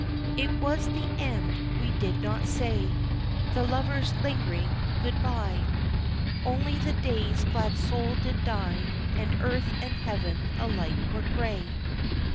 It was the end, we did not say The lover's lingering good bye, Only the day's glad soul did die, And earth and heaven alike were grey.